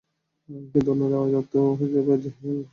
কিন্তু অন্যরা এর অর্থ করেছেন এভাবে যে, হে আমার সম্প্রদায়ের লোকেরা!